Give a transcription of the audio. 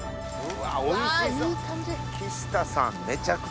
うわおいしそう。